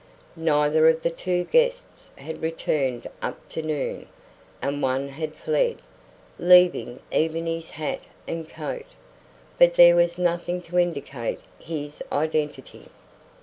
Neither of the two guests had returned up to noon, and one had fled, leaving even his hat and coat. But there was nothing to indicate his identity.